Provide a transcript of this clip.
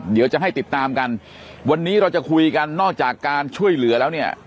เดี๋ยวจะให้ติดตามกันวันนี้เราจะคุยกันนอกจากการช่วยเหลือแล้วเนี่ย